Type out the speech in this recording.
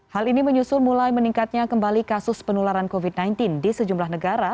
hal ini menyusul mulai meningkatnya kembali kasus penularan covid sembilan belas di sejumlah negara